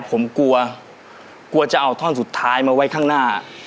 ผมกลัวกลัวจะเอาท่อนสุดท้ายมาไว้ข้างหน้า